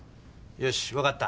よしわかった。